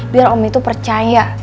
biar om itu percaya